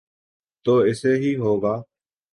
تو ایسے ہی ہوگا۔